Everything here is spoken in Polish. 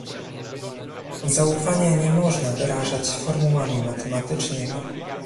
Zaufania nie można wyrażać formułami matematycznymi